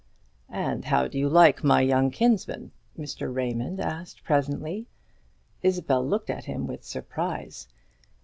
"And how do you like my young kinsman?" Mr. Raymond asked presently. Isabel looked at him with surprise.